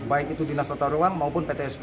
baik itu dinas tata ruang maupun ptsp